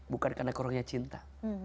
bukan karena kurangnya cinta